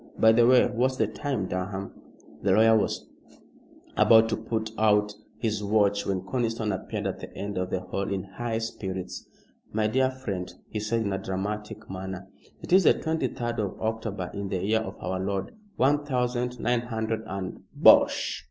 By the way, what's the time, Durham?" The lawyer was about to pull out his watch when Conniston appeared at the end of the hall in high spirits. "My dear friend," he said in a dramatic manner, "it is the twenty third of October, in the year of our Lord one thousand nine hundred and " "Bosh!"